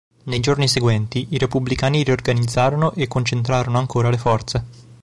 Nei giorni seguenti i repubblicani riorganizzarono e concentrarono ancora le forze.